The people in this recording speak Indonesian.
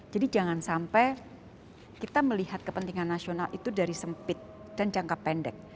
jadi jangan sampai kita melihat kepentingan nasional itu dari sempit dan jangka pendek